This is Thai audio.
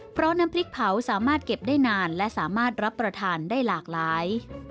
เพราะน้ำพริกเผาสามารถเก็บได้นานและสามารถรับประทานได้หลากหลาย